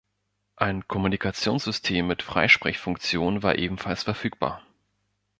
Ein Kommunikationssystem mit Freisprechfunktion war ebenfalls verfügbar.